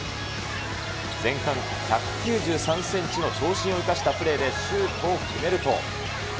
前半、１９３センチの長身を生かしたプレーでシュートを決めると。